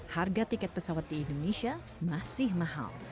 harga tiket pesawat di indonesia masih mahal